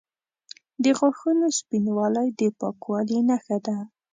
د غاښونو سپینوالی د پاکوالي نښه ده.